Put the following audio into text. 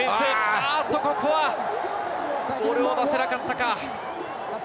あーっと、ここはボールを出せなかったか。